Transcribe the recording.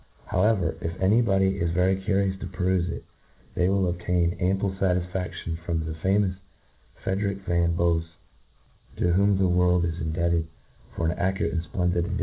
How ever, if any body is very curious to perufe it, ^ey will obtain ample fatisfadtion from the fa mous Frederick van Bofs, to whom the world is indebted for an accurate and fplendid edition of the